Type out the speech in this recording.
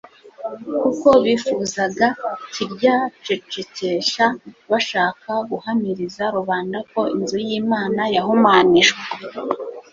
kuko bifuzaga kiryacecekesha bashaka guhamiriza rubanda ko inzu y'Imana yahumanijwe